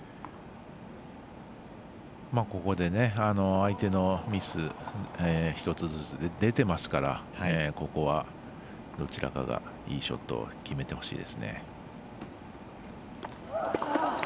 ここで相手のミス１つずつ出てますからここは、どちらかがいいショットを決めてほしいです。